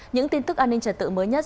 những tin tức an ninh trần tự mới nhất